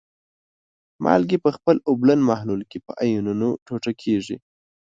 مالګې په خپل اوبلن محلول کې په آیونونو ټوټه کیږي.